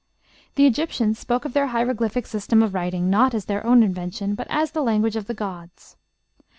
The Egyptians spoke of their hieroglyphic system of writing not as their own invention, but as "the language of the gods."